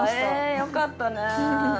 えよかったね。